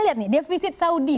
lihat nih defisit saudi